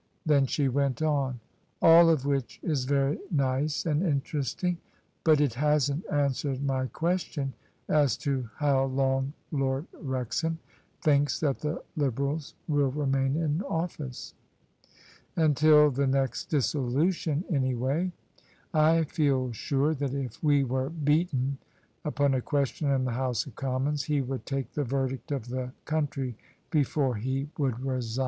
Then she went on, " All of which is very nice and interesting, but it hasn't ansyi^ered my question as to how long Lord Wrex ham thinks that the Liberals will remain in office." " Until the next Dissolution anyway. I feel sure that if we were beaten upon a question in the House of Commons, he would take the verdict of the country before he would resign."